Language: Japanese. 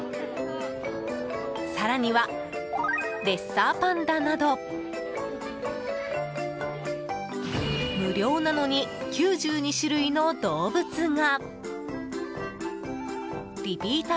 更にはレッサーパンダなど無料なのに９２種類の動物が。